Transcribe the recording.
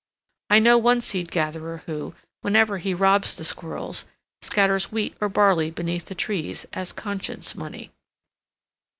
I know one seed gatherer who, whenever he robs the squirrels, scatters wheat or barley beneath the trees as conscience money.